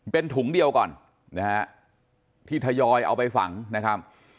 เป็นถุงเดียวก่อนนะฮะที่ทยอยเอาไปฝังนะครับ